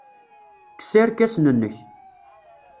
Kkes irkasen-nnek.